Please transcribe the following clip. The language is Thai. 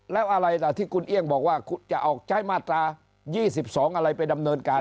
แล้วอะไรล่ะที่คุณเอี่ยงบอกว่าจะออกใช้มาตรา๒๒อะไรไปดำเนินการ